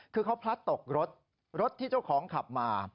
คือเขาพลัดตกรถรถที่เจ้าของขับมา